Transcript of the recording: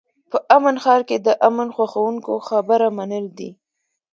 په امن ښار کې د امن خوښوونکو خبره منل دي.